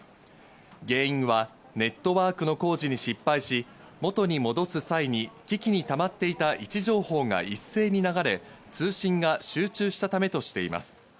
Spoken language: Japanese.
原因はネットワークの工事に失敗し、元に戻す際に機器にたまっていた位置情報が一斉に流れ、通信が集中したためとしています。